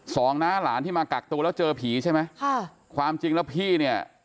น้าหลานที่มากักตัวแล้วเจอผีใช่ไหมค่ะความจริงแล้วพี่เนี่ย